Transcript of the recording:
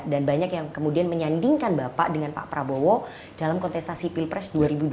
dan banyak yang kemudian menyandingkan bapak dengan pak prabowo dalam kontestasi pilpres dua ribu dua puluh empat